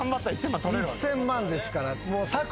１，０００万ですから。